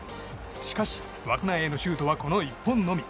しかし、枠内へのシュートはこの１本のみ。